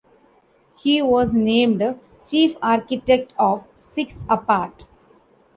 He was named chief architect of Six Apart.